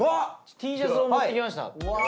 Ｔシャツを持ってきました。